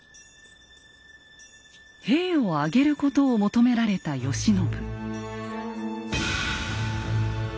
兵を挙げることを求められた慶喜。